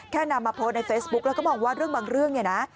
นำมาโพสต์ในเฟซบุ๊กแล้วก็มองว่าเรื่องบางเรื่องเนี่ยนะ